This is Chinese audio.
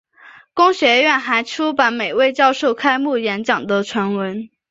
公学院还出版每位教授开幕演讲的全文。